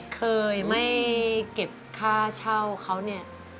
เคยไม่เก็บค่าเช่าเขาเนี่ย